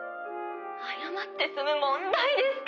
謝って済む問題ですか！